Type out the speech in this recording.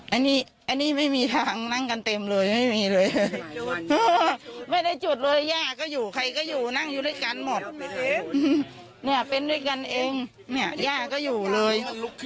อันนี้อันนี้ไม่มีทางนั่งกันเต็มเลยไม่มีเลยไม่ได้จุดเลยย่าก็อยู่ใครก็อยู่นั่งอยู่ด้วยกันหมดเนี่ยเป็นด้วยกันเองเนี่ยย่าก็อยู่เลย